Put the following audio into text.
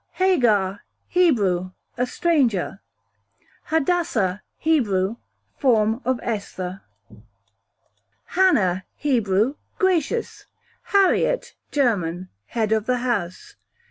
Hagar, Hebrew, a stranger. Hadassah, Hebrew, form of Esther, q.v. Hannah, Hebrew, gracious. Harriet, German, head of the house.